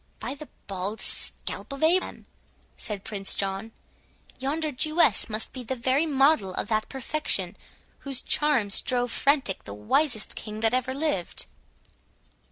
"By the bald scalp of Abraham," said Prince John, "yonder Jewess must be the very model of that perfection, whose charms drove frantic the wisest king that ever lived!